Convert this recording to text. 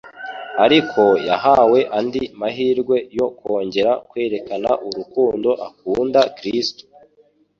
ariko yahawe andi mahirwe yo kongera kwerekana urukundo akunda Kristo.